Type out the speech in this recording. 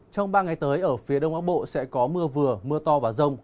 trong ba ngày tới ở phía đông bắc bộ sẽ có mưa vừa mưa to và rông